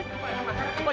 pak jalan pak